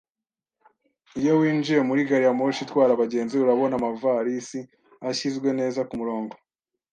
Iyo winjiye muri gari ya moshi itwara abagenzi, urabona amavarisi ashyizwe neza kumurongo.